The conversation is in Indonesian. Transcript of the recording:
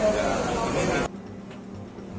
artinya juga pemeriksaan ini